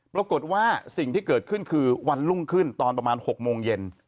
ปรากฏว่าสิ่งที่เกิดขึ้นคือวันรุ่งขึ้นตอนประมาณ๖โมงเย็น